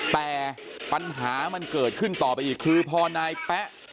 แต่ปัญหามันเกิดขึ้นต่อไปอีกคือพอนายแป๊ะ